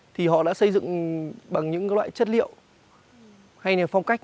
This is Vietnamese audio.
thì họ đã xây dựng bằng những loại chất liệu hay là phong cách